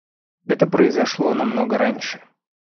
Это произошло намного раньше.